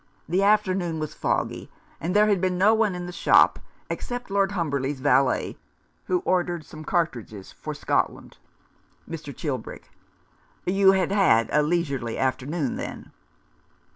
The afternoon was foggy, and there had been no one in the shop — except Lord Humberleigh's valet, who ordered some cartridges for Scotland." Mr. Chilbrick :" You had had a leisurely after noon, then